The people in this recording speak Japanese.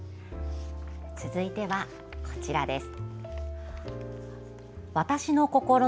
続いては、こちらです。